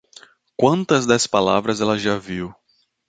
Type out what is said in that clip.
Quantas das palavras ela já viu?